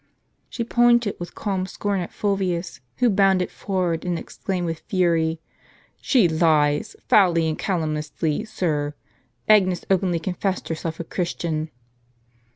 She pointed with calm scorn at Fulvius, who bounded for ward, and exclaimed with fury :" She lies, foully and calum niously, sir. Agnes openly confessed herself a Christian."